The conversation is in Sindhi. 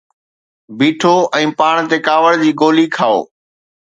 بيٺو ۽ پاڻ تي ڪاوڙ جي گولي کائو